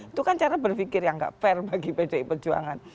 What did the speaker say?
itu kan cara berpikir yang gak fair bagi pdi perjuangan